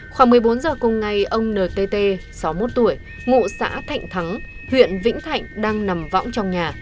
khoảng một mươi bốn giờ cùng ngày ông ntt sáu mươi một tuổi ngụ xã thạnh thắng huyện vĩnh thạnh đang nằm võng trong nhà